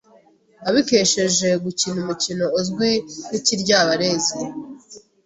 abikesheje gukina umukino uzwi nk’Ikiryabarezi.